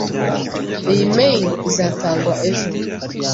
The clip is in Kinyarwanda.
Iyi mail izatangwa ejo.